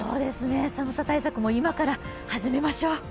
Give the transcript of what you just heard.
寒さ対策、今から始めましょう。